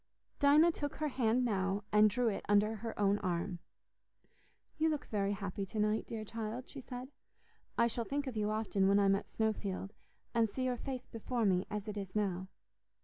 Dinah took her hand now and drew it under her own arm. "You look very happy to night, dear child," she said. "I shall think of you often when I'm at Snowfield, and see your face before me as it is now.